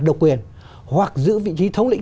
độc quyền hoặc giữ vị trí thống lĩnh